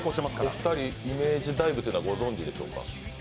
お二人、イメージダイブというのはご存じでしょうか？